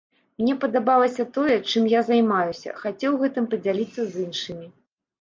Мне падабалася тое, чым я займаюся, хацеў гэтым падзяліцца з іншымі.